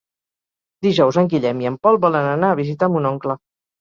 Dijous en Guillem i en Pol volen anar a visitar mon oncle.